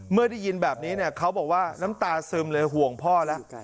ได้ยินแบบนี้เนี่ยเขาบอกว่าน้ำตาซึมเลยห่วงพ่อแล้ว